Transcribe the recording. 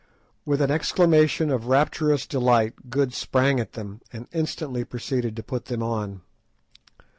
With an exclamation of rapturous delight Good sprang at them, and instantly proceeded to put them on.